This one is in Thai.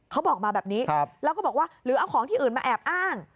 เขาบอกมาแบบนี้แล้วก็บอกว่าหรือเอาของที่อื่นมาแอบอ้าง